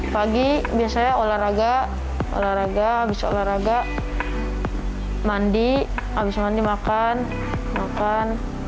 pagi biasanya olahraga olahraga bisa olahraga mandi abis mandi makan makan